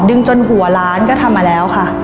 จนหัวล้านก็ทำมาแล้วค่ะ